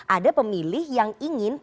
ada pemilih yang ingin